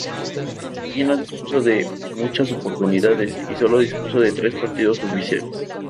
Allí no dispuso de muchas oportunidades y solo disputó tres partidos oficiales.